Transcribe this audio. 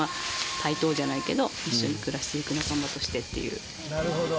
対等じゃないけど一緒に暮らしていく仲間としてっていう。